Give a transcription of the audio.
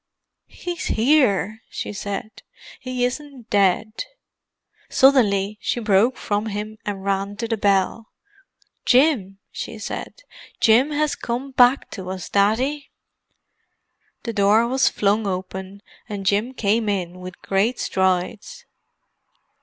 "He's here," she said. "He isn't dead." Suddenly she broke from him and ran to the bell. "Jim," she said; "Jim has come back to us, Daddy." The door was flung open, and Jim came in, with great strides.